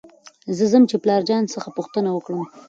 زه ځم چې پلار جان څخه پوښتنه وکړم .